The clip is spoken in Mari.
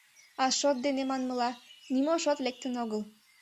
А шот дене, манмыла, нимо шот лектын огыл.